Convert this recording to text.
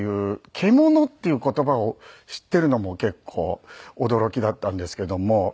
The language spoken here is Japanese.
「けもの」っていう言葉を知っているのも結構驚きだったんですけども。